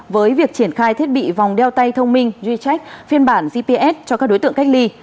với việc triển khai thiết bị vòng đeo tay thông minh ghi chép phiên bản gps cho các đối tượng cách ly